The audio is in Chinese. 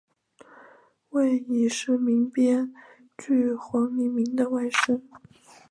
为已逝名编剧黄黎明的外甥。